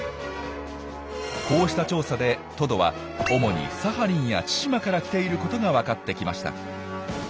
こうした調査でトドは主にサハリンや千島から来ていることが分かってきました。